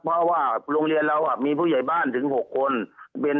เพราะว่าโรงเรียนเรามีผู้ใหญ่บ้านถึง๖คน